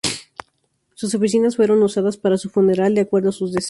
Sus oficinas fueron usadas para su funeral de acuerdo a sus deseos.